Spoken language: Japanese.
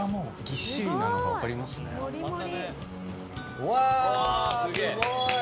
うわー、すごい！